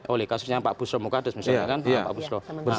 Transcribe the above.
oleh kasusnya pak busro mukades misalnya kan pak busro